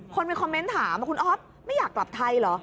คนไปคอมเมนต์ถามคุณอ๊อฟไม่อยากกลับไทยเหรอ